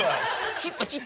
チップチップ。